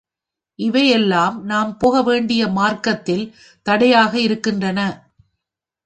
இவை எல்லாம் நாம் போக வேண்டிய மார்க்கத்தில் தடையாக இருக்கின்றன.